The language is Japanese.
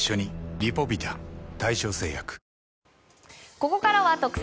ここからは特選！